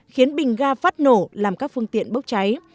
khiến bình ga phát nổ làm các phương tiện bốc cháy